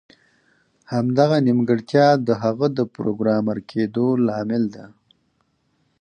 همدغه نیمګړتیا د هغه د پروګرامر کیدو لامل ده